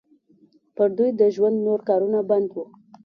پر دوی د ژوند نور کارونه بند وو.